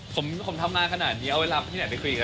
ผมผมทำงานขนาดนี้เอาเวลาไปที่ไหนไปคุยกันกับใคร